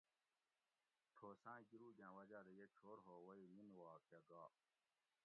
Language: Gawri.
تھوساۤں گیروگاں وجاۤ دہ یہ چھور ہو وئ نِن وا کہ گا